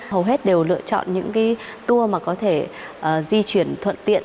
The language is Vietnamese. hầu hết đều lựa chọn những cái tour mà có thể di chuyển thuận tiện